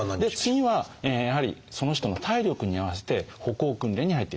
次はやはりその人の体力に合わせて歩行訓練に入っていきます。